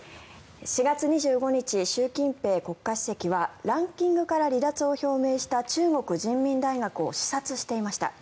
４月２５日、習近平国家主席はランキングから離脱を表明した中国人民大学を視察していました。